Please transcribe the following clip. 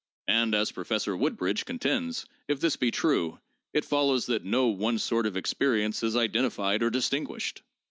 And, as Professor Woodbridge contends, if this be true, it follows that 'no one sort of experience is identified or distinguished.